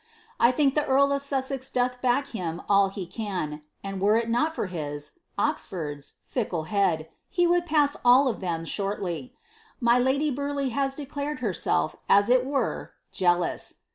I think the earl of Sussex doth back him all he can, and were it not for his (Oxford's) fickle head, he would pass all of them shortly. My lady Burleigh has declared herself, as it were, jealous.